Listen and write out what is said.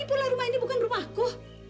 lagi pulang rumah ini bukan rumahku